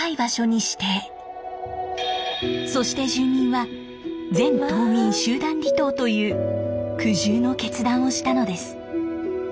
そして住民は全島民集団離島という苦渋の決断をしたのです。